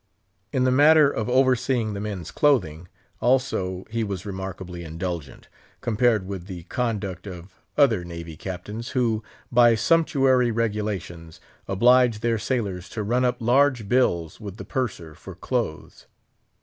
In the matter of overseeing the men's clothing, also, he was remarkably indulgent, compared with the conduct of other Navy captains, who, by sumptuary regulations, oblige their sailors to run up large bills with the Purser for clothes.